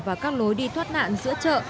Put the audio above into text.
và các lối đi thoát nạn giữa chợ